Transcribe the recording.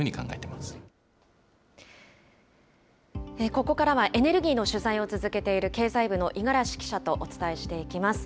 ここからは、エネルギーの取材を続けている経済部の五十嵐記者とお伝えしていきます。